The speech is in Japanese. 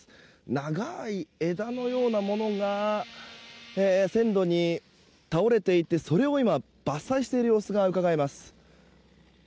長い枝のようなものが線路に倒れていてそれを今、伐採している様子がうかがえます。